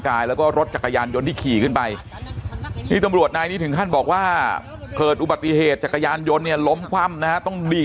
กายแล้วก็รถจักรยานยนต์ที่ขี่ขึ้นไป